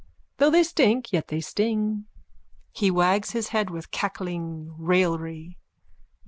Though they stink yet they sting. _(He wags his head with cackling raillery.)